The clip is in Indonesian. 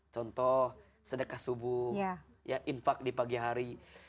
contoh sedekah subuh ya infak di pagi hari